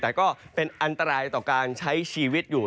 แต่ก็เป็นอันตรายต่อการใช้ชีวิตอยู่